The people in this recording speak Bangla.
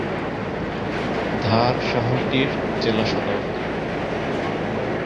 ধার শহরটির জেলা সদর।